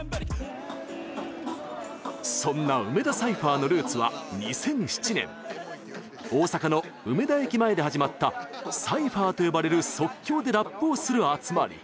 そんな梅田サイファーのルーツは２００７年大阪の梅田駅前で始まったサイファーと呼ばれる即興でラップをする集まり。